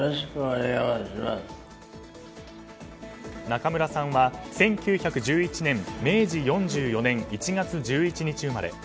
中村さんは１９１１年明治４４年１月１１日生まれ。